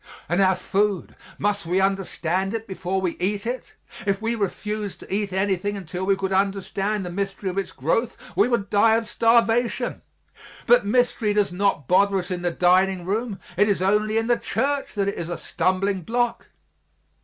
And our food, must we understand it before we eat it? If we refused to eat anything until we could understand the mystery of its growth, we would die of starvation. But mystery does not bother us in the dining room; it is only in the church that it is a stumbling block.